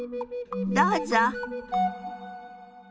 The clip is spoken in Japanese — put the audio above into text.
どうぞ。